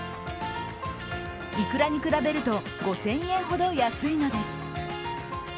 イクラに比べると５０００円ほど安いのです。